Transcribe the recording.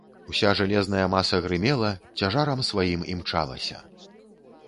Уся жалезная маса грымела, цяжарам сваім імчалася.